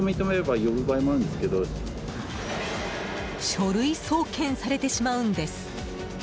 書類送検されてしまうんです。